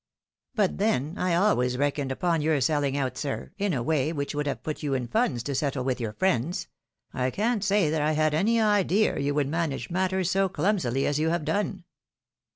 But, then, I always reckoned upon your selling out, sir, in a way which would have put you in funds to settle with your friends — ^I can't say that I had any idea you would manage matters so clumsily as you have done."